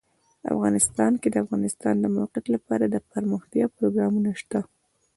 افغانستان کې د د افغانستان د موقعیت لپاره دپرمختیا پروګرامونه شته.